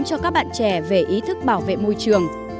cho các bạn trẻ về ý thức bảo vệ môi trường